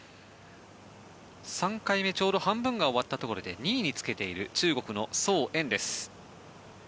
３回目ちょうど半分が終わったところで２位につけている中国のソウ・エンです。